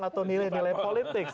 atau nilai nilai politik